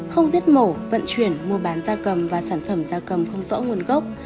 không giết mổ vận chuyển mua bán da cầm và sản phẩm da cầm không rõ nguồn gốc